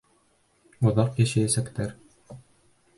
Оҙаҡ йәшәйәсәктәр...